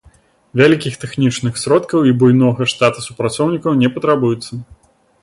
Вялікіх тэхнічных сродкаў і буйнога штата супрацоўнікаў не патрабуецца.